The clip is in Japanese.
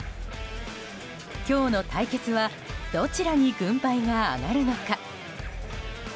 今日の対決はどちらに軍配が上がるのか。